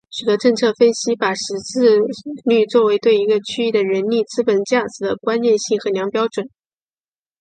许多政策分析把识字率作为对一个区域的人力资本价值的关键性衡量标准。